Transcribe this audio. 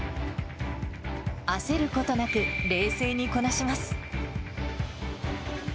焦ることなく、冷静にこなします。